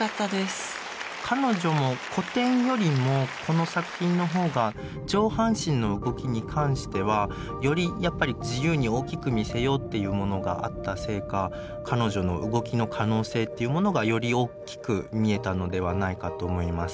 彼女も古典よりもこの作品の方が上半身の動きに関してはよりやっぱり自由に大きく見せようっていうものがあったせいか彼女の動きの可能性っていうものがよりおっきく見えたのではないかと思います。